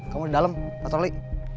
kamu di dalam patroli